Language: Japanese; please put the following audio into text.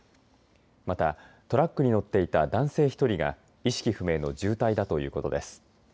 また、トラックに乗っていた男性１人が意識不明の重体だということです。